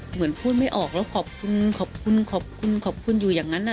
เหมือนพูดไม่ออกแล้วขอบคุณขอบคุณขอบคุณอยู่อย่างนั้น